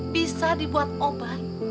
bisa dibuat obat